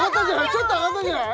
ちょっと上がったんじゃない？